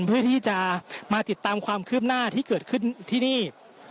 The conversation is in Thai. เพื่อที่จะมาติดตามความคืบหน้าที่เกิดขึ้นที่นี่